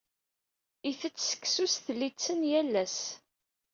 Itett seksu s tlitten yal ass.